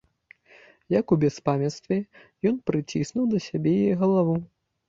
Як у бяспамяцтве, ён прыціснуў да сябе яе галаву.